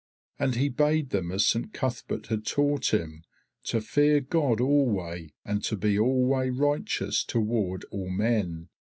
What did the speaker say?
And he bade them as Saint Cuthberht had taught him, to fear God alway and to be alway righteous toward all men.